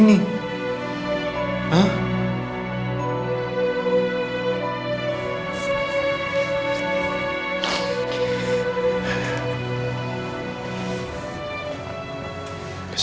kenapa bisa begini